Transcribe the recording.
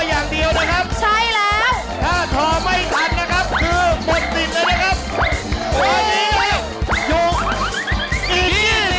อย่างเดียวนะครับใช่แล้วถ้าทอไม่ทันนะครับคือหมดสิทธิ์เลยนะครับ